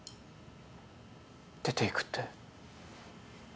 出ていくって。